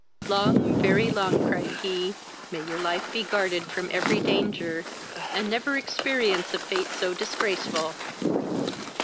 "Long, very long, (cried he,) may your life be guarded from every danger, and never experience a fate so disgraceful!